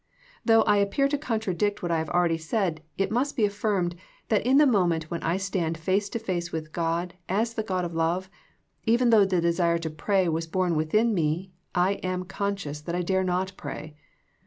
Though I appear to contradict what I have already said it must be affirmed that in the moment when I stand face to face with God as the God of love, even though the desire to pray is born within me I am con scious that I dare not pray.